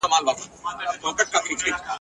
له پروازه وه لوېدلي شهپرونه ..